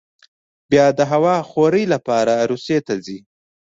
بیا د هوا خورۍ لپاره روسیې ته ځي.